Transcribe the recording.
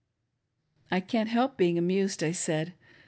"I can't help being amused," I said.